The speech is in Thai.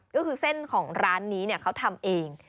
ก็คือเส้นของร้านนี้เขาทำเอง